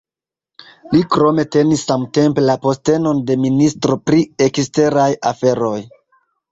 Li krome tenis samtempe la postenon de Ministro pri eksteraj aferoj.